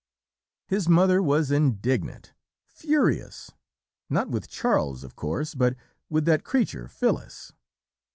"His mother was indignant FURIOUS not with Charles, of course but with that creature Phyllis.